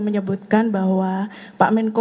menyebutkan bahwa pak menko